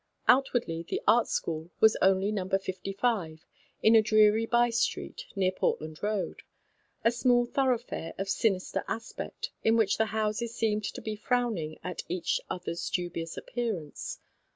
Outwardly, the Art School was only No. 55, in a dreary by street near Portland Road ; a small thoroughfare of sinister aspect, in which all the houses seemed to be frowning at each other's dubious appearance.